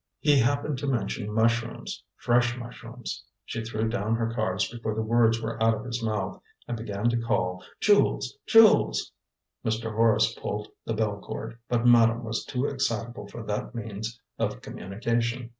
He happened to mention mushrooms fresh mushrooms. She threw down her cards before the words were out of his mouth, and began to call, "Jules! Jules!" Mr. Horace pulled the bell cord, but madame was too excitable for that means of communication.